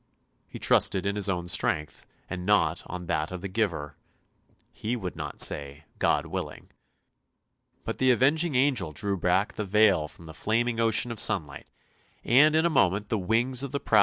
He trusted in his own strength, and not on that of the Giver; he would not say " God willing! " But the avenging angel drew back the veil from the flaming ocean of sunlight, and in a moment the wings of the proud bird were